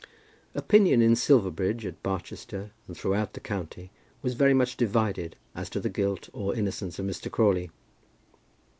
Opinion in Silverbridge, at Barchester, and throughout the county, was very much divided as to the guilt or innocence of Mr. Crawley.